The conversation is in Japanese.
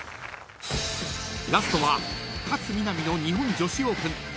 ［ラストは勝みなみの日本女子オープン］